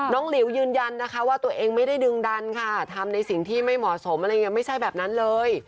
น้องหลิวยืนยันว่าตัวเองไม่ได้ดึงดันทำในสิ่งที่ไม่เหมาะสมไม่ใช่แบบนั้นเลย